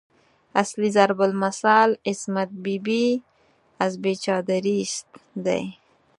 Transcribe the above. اصلي ضرب المثل "عصمت بي بي از بې چادريست" دی.